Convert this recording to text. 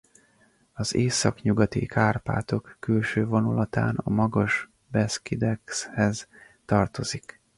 Az Északnyugati-Kárpátok külső vonulatán a Magas-Beszkidekhez tartozik.